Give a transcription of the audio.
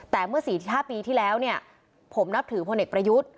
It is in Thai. แต่เมื่อ๔๕ปีที่แล้วเนี่ยผมนับถือพลเอกประยุทธ์